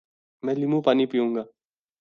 میں لیموں پانی پیوں گا